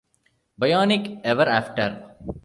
Bionic Ever After?